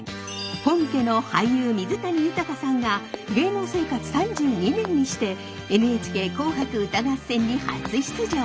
本家の俳優水谷豊さんが芸能生活３２年にして「ＮＨＫ紅白歌合戦」に初出場。